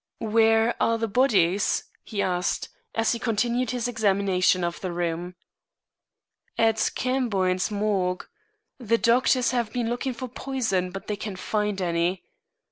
"Where are the bodies?" he asked, as he continued his examination of the room. "At Camboin's morgue. The doctors have been looking for poison, but they can't find any."